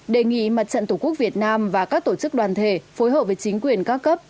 một mươi ba đề nghị mặt trận tổ quốc việt nam và các tổ chức đoàn thể phối hợp với chính quyền cao cấp